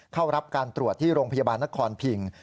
เข้ารับการตรวจที่โรงพยาบาลนครพิง